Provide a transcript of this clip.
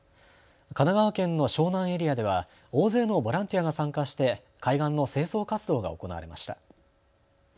神奈川県の湘南エリアでは大勢のボランティアが参加して海岸の清掃活動が行われました。